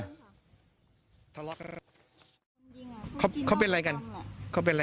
ยิงบ่อยอ่ะครับพี่